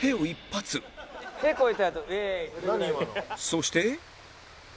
そして